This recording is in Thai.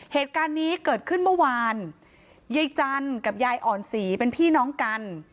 เหตุการณ์นี้เกิดขึ้นเมื่อวานยายจันทร์กับยายอ่อนศรีเป็นพี่น้องกัน